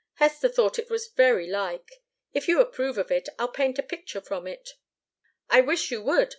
Hester thought it was very like. If you approve of it, I'll paint a picture from it." "I wish you would!"